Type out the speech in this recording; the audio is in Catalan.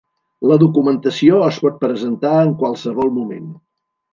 La documentació es pot presentar en qualsevol moment.